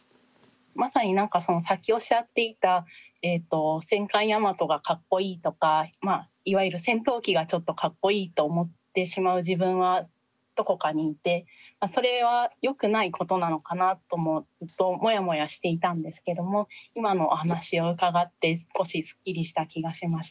まさに何かそのさっきおっしゃっていた戦艦大和がかっこいいとかいわゆる戦闘機がちょっとかっこいいと思ってしまう自分はどこかにいてそれはよくないことなのかなともずっとモヤモヤしていたんですけども今のお話を伺って少しすっきりした気がしました。